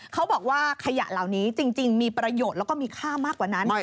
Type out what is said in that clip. เขาบอกว่าขยะเหล่านี้จริงมีประโยชน์แล้วก็มีค่ามากกว่านั้น